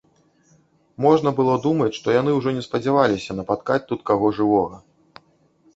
Можна было думаць, што яны ўжо не спадзяваліся напаткаць тут каго жывога.